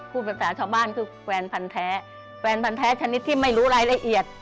พูดภาษาชาวบ้านคือแฟนพันธ์แท้แฟนพันธ์แท้ชนิดที่ไม่รู้รายละเอียด